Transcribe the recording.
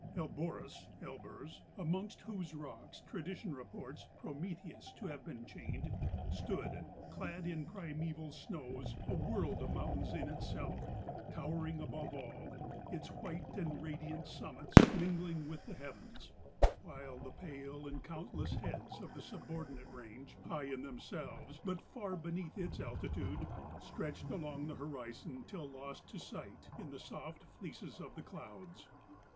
Elborus (Elburz), amongst whose rocks tradition reports Prometheus to have been chained, stood, clad in primeval snows, a world of mountains in itself, towering above all, its white and radiant summits mingling with the heavens ; while the pale and countless heads of the subordi¬ nate range, high in themselves, but far beneath its altitude, stretched along the horizon till lost to sight in the soft fleeces of the clouds.